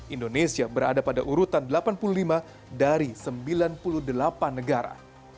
indonesia berada pada urutan delapan puluh lima dari sembilan puluh delapan negara